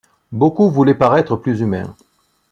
Beaucoup voulaient paraître plus humains.